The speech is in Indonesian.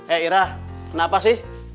eh irah kenapa sih